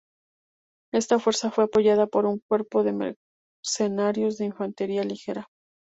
Esta fuerza fue apoyada por un cuerpo de mercenarios de infantería ligera.